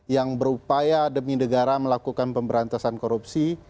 yang berupaya demi negara melakukan pemberantasan korupsi